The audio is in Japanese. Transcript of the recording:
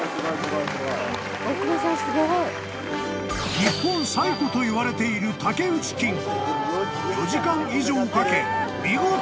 ［日本最古といわれている竹内金庫］